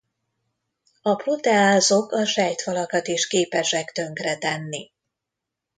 A proteázok a sejtfalakat is képesek tönkretenni.